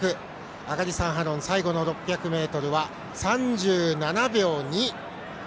上がり３ハロン最後の６００ｍは３７秒２。